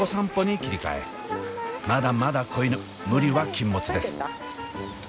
まだまだ子犬無理は禁物です。